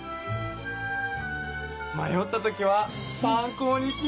まよったときは参考にします。